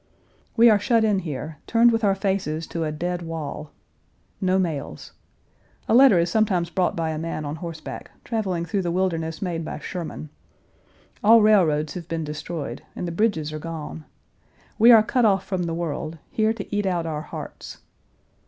We are shut in here, turned with our faces to a dead wall. No mails. A letter is sometimes brought by a man on horseback, traveling through the wilderness made by Sherman. All railroads have been destroyed and the bridges are gone. We are cut off from the world, here to eat out our hearts.